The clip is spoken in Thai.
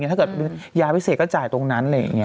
ถ้าเกิดยาพิเศษก็จ่ายตรงนั้นอะไรอย่างนี้